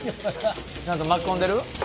ちゃんと巻き込んでる？